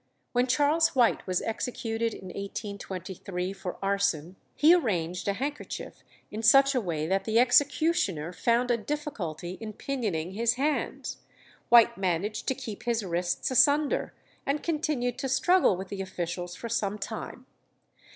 When Charles White was executed in 1823 for arson, he arranged a handkerchief in such a way that the executioner found a difficulty in pinioning his hands. White managed to keep his wrists asunder, and continued to struggle with the officials for some time.